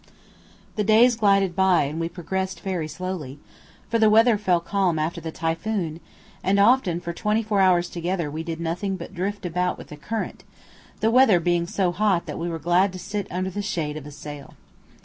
The days glided by, and we progressed very slowly, for the weather fell calm after the typhoon, and often for twenty four hours together we did nothing but drift about with the current, the weather being so hot that we were glad to sit under the shade of a sail.